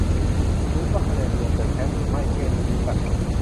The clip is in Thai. ลุ้น ว่าคะแนนรวมจะแชมป์หรือไม่ เที่ยงนี้รู้กัน